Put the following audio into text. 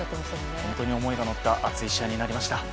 本当に思いが乗った熱い試合になりました。